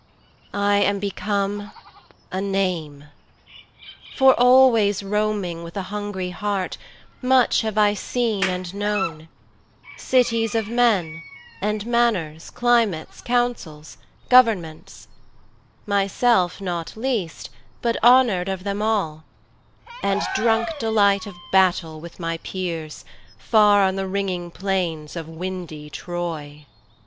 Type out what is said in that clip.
I am become a name; For always roaming with a hungry heartMuch have I seen and known: cities of menAnd manners, climates, councils, governments, Myself not least, but honor'd of them all; And drunk delight of battle with my peers, Far on the ringing plains of windy Troy.